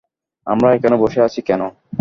আমরা এখানে বসে আছি কেন?